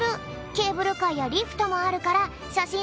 ケーブルカーやリフトもあるからしょしん